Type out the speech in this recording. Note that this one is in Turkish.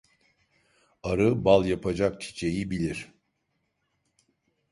Arı bal yapacak çiçeği bilir.